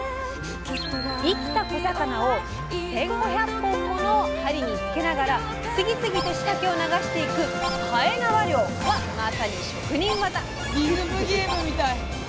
生きた小魚を１，５００本もの針につけながら次々と仕掛けを流していく「延縄漁」はまさに職人技！